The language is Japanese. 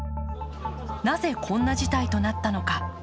なぜ、こんな事態となったのか。